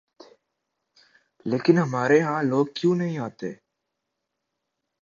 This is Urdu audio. لیکن ہمارے ہاں لوگ کیوں نہیں آتے؟